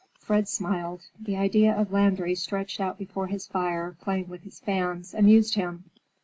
Fred smiled. The idea of Landry stretched out before his fire playing with his fans, amused him.